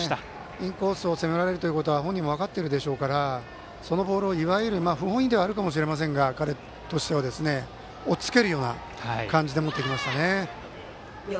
インコースを攻められることは本人も分かっているでしょうからそのボールをいわゆる彼としては不本意ではあるかと思いますがおっつけるような感じで持っていきましたね。